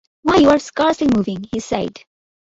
“Why, you’re scarcely moving,” he said.